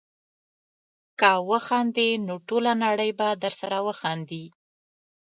که وخاندې نو ټوله نړۍ به درسره وخاندي.